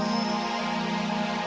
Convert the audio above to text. gue mau ngajek